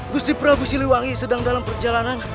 gusti prabu siliwangi sedang dalam perjalanan